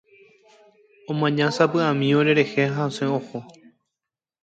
Omañasapyʼami orerehe ha osẽ oho.